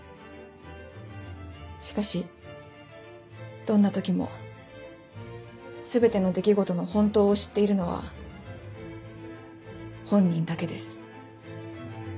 しかしどんな時も全ての出来事の「本当」を知っているのは本人だけです。